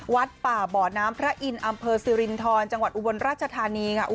วัดป่าบ่อน้ำพระอินทร์อำเภอสิรินทรจังหวัดอุบลราชธานีค่ะ